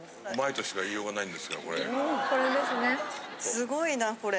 すごいなこれ。